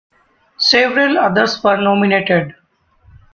Several others were nominated.